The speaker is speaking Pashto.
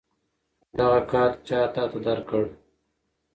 دغه کارت چا تاته درکړ؟